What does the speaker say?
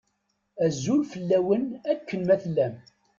Azul fell-awen akken ma tellam.